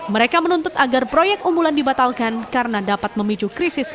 mereka menuntut agar proyek umbulan dibatalkan karena dapat memicu krisis